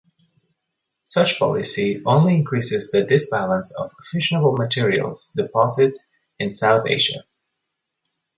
Such policy only increases the disbalance of fissionable materials deposits in South Asia.